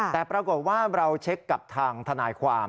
แต่ปรากฏว่าเราเช็คกับทางทนายความ